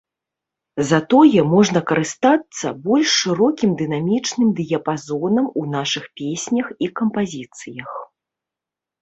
Затое можна карыстацца больш шырокім дынамічным дыяпазонам у нашых песнях і кампазіцыях.